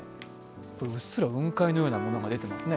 うっすら雲海のようなものが見えてますね。